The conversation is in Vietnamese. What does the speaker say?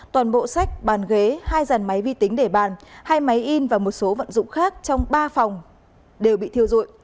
toàn bộ sách bàn ghế hai dàn máy vi tính để bàn hai máy in và một số vận dụng khác trong ba phòng đều bị thiêu dụi